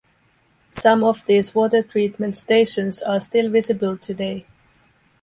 Some of these water treatment stations are still visible today.